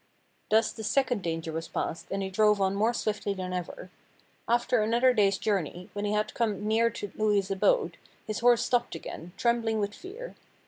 Thus the second danger was passed and he drove on more swiftly than ever. After another day's journey, when he had come near to Louhi's abode, his horse stopped again, trembling with fear.